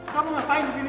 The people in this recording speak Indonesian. kamu ngapain di sini